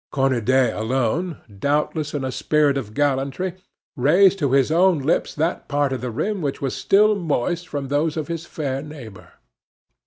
Cornudet alone, doubtless in a spirit of gallantry, raised to his own lips that part of the rim which was still moist from those of his fair neighbor.